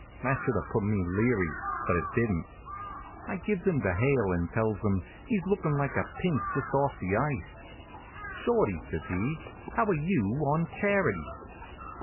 That should have put me leary, but it didn't. I gives him the hail, and tells him, he's lookin' like a pink just off the ice. "Shorty," says he, "how are you on charity?"